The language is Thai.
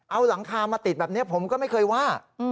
เอาหลังคามาติดแบบนี้ผมก็ไม่เคยว่า